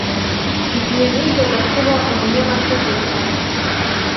Igihe nigaga kuba umunyamategeko,